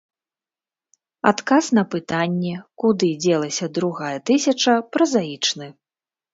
Адказ на пытанне, куды дзелася другая тысяча, празаічны.